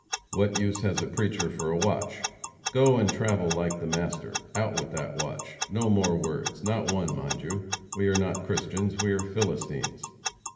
What use has a preacher for a watch? Go and travel like the Master. Out with that watch! No more words not one, mind you! We are not Christians, we are Philistines."